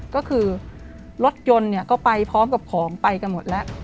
ก็คือรถยนต์เนี่ยก็ไปพร้อมกับของไปกันหมดแล้ว